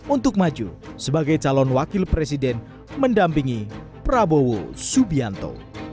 untuk maju sebagai calon wakil presiden mendampingi prabowo subianto